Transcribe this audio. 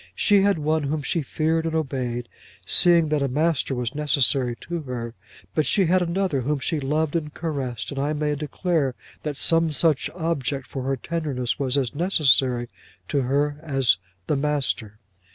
She had one whom she feared and obeyed, seeing that a master was necessary to her; but she had another whom she loved and caressed, and I may declare, that some such object for her tenderness was as necessary to her as the master.